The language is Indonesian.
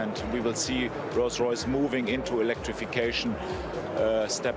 dan kita akan melihat rolls royce bergerak ke elektrifikasi langkah langkah